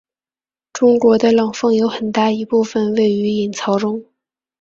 中国的冷锋有很大一部分位于隐槽中。